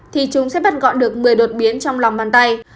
thì chúng sẽ bắt gọn được một mươi đột biến trong lòng bàn tay